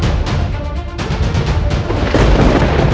dan saya akan menyerah